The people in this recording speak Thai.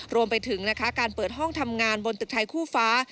รวมไปถึงนะคะการเปิดห้องทำงานบนตึกไทยคู่ฟ้า